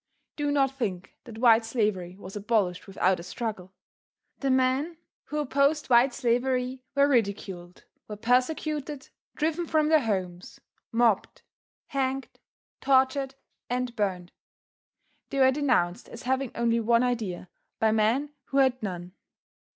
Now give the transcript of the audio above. Do not think that white slavery was abolished without a struggle. The men who opposed white slavery were ridiculed, were persecuted, driven from their homes, mobbed, hanged, tortured and burned. They were denounced as having only one idea, by men who had none.